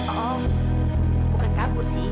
oh bukan kabur sih